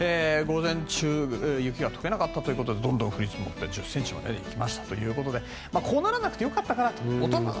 午前中雪が解けなかったということでどんどん降り積もって１０ｃｍまで行きましたということでこうならなくてよかったなと。